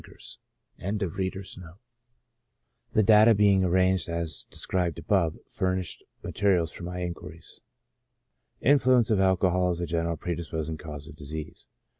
2 20 : 150 695 411 •269 15 1 53: I The data being arranged as described above, furnished materials for my inquiries. Influence of Alcohol as a general Predisposing Cause of Disease.